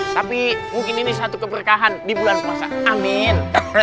tapi mungkin ini satu keberkahan di bulan puasa amin